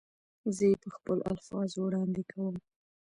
زه یې په خپلو الفاظو وړاندې کوم.